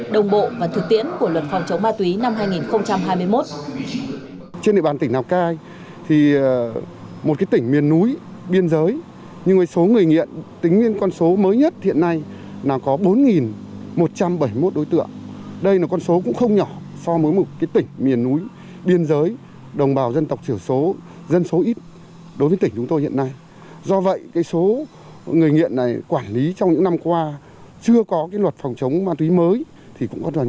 đồng bộ và thực tiễn của luật phòng chống ma túy